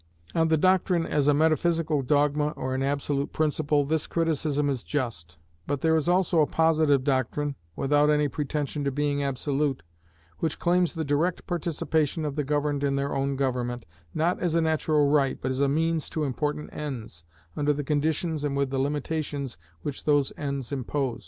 On the doctrine as a metaphysical dogma or an absolute principle, this criticism is just; but there is also a Positive doctrine, without any pretension to being absolute, which claims the direct participation of the governed in their own government, not as a natural right, but as a means to important ends, under the conditions and with the limitations which those ends impose.